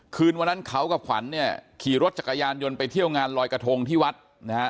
คืนวันนั้นเขากับขวัญเนี่ยขี่รถจักรยานยนต์ไปเที่ยวงานลอยกระทงที่วัดนะฮะ